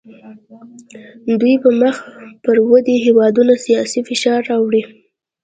دوی په مخ پر ودې هیوادونو سیاسي فشار راوړي